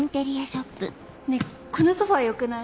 ねぇこのソファよくない？